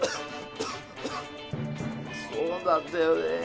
そうなんだよね。